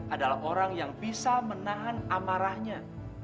adalah orang yang bisa menahan amarahnya